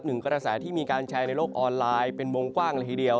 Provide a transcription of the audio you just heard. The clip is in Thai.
หนึ่งกรณะสายที่มีการแชนในโลกออนไลน์เป็นมงกว้างหลายเดียว